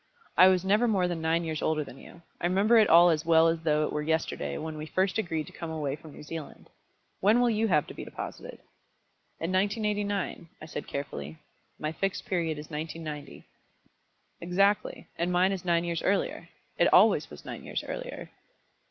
I was never more than nine years older than you. I remember it all as well as though it were yesterday when we first agreed to come away from New Zealand. When will you have to be deposited?" "In 1989," I said carefully. "My Fixed Period is 1990." "Exactly; and mine is nine years earlier. It always was nine years earlier."